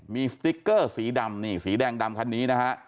มีสติ๊กเกอร์สีดำนี่สีแดงดำคันนี้นะฮะ